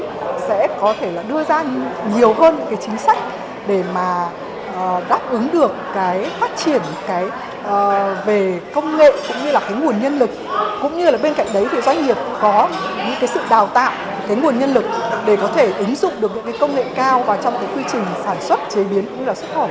chúng ta sẽ có thể đưa ra nhiều hơn chính sách để đáp ứng được phát triển về công nghệ nguồn nhân lực cũng như bên cạnh đấy doanh nghiệp có sự đào tạo nguồn nhân lực để có thể ứng dụng được công nghệ cao vào trong quy trình sản xuất chế biến cũng như là xuất khẩu